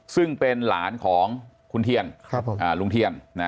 ซึ่งเป็นหลานของคุณเทียนลุงเทียน